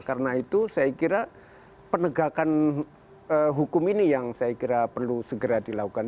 karena itu saya kira penegakan hukum ini yang saya kira perlu segera dilakukan